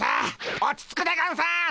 落ち着くでゴンス。